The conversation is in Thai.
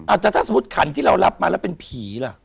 อาจจะถ้าสมมุติขันที่เรารับมาแล้วเป็นผีล่ะ